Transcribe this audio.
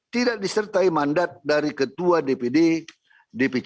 tidak disertai mandat dari ketua dpd dpc